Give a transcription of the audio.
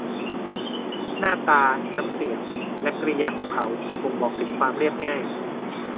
หน้าตา น้ำเสียง และกริยาของเขา บ่งบอกถึงความเรียบง่าย